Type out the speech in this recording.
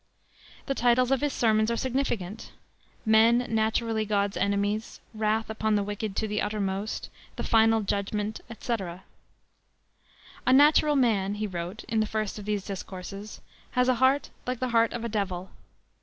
The titles of his sermons are significant: Men Naturally God's Enemies, Wrath upon the Wicked to the Uttermost, The Final Judgment, etc. "A natural man," he wrote in the first of these discourses, "has a heart like the heart of a devil.